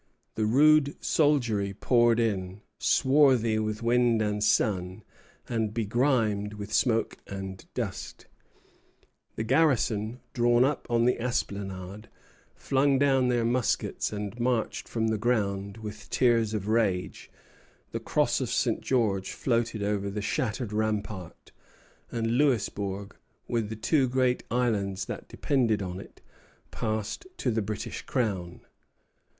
The rude soldiery poured in, swarthy with wind and sun, and begrimed with smoke and dust; the garrison, drawn up on the esplanade, flung down their muskets and marched from the ground with tears of rage; the cross of St. George floated over the shattered rampart; and Louisbourg, with the two great islands that depended on it, passed to the British Crown.